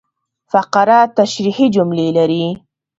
فقره تشریحي جملې لري.